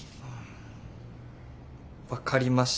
分かりました。